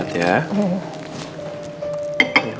obat tadi minum dulu